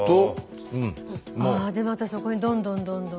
でまたそこにどんどんどんどん？